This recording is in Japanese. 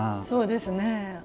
そうですね。